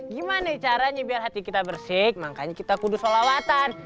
gimana caranya biar hati kita bersih makanya kita kudus holawatan